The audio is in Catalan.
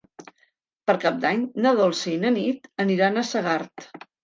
Per Cap d'Any na Dolça i na Nit aniran a Segart.